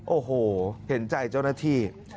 โอ้โหเห็นใจเจ้าหน้าที่